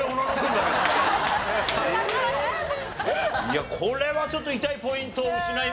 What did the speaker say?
いやこれはちょっと痛いポイントを失いましたよ。